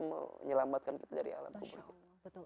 menyelamatkan kita dari alam umroh